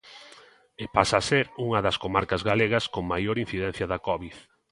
E pasa a ser unha das comarcas galegas con maior incidencia da covid.